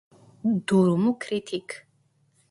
Durumu kritik.